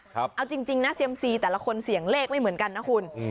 เอาจริงนะเซียมซีแต่ละคนเสี่ยงเลขไม่เหมือนกันนะคุณ